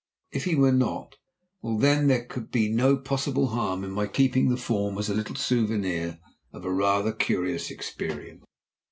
If he were not, well, then there could be no possible harm in my keeping the form as a little souvenir of a rather curious experience.